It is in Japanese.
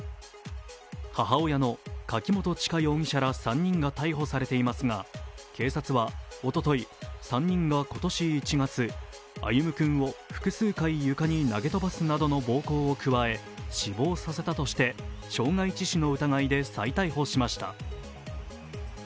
母親の柿本知香容疑者ら３人が逮捕されていますが、警察はおととい、３人が今年１月、歩夢君を複数回床に投げ飛ばすなどの暴行を加え死亡させたとして傷害致死の疑いで再逮捕しました。